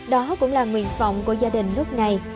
đó cũng là nguyện vọng của gia đình lúc này